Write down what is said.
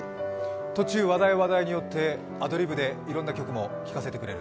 途中、話題、話題によってアドリブでいろんな曲を聞かせてくれる？